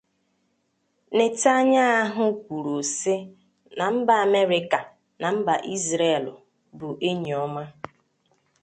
Netanyahụ kwuru si na mba Amerịka na mba Izrel bụ enyi oma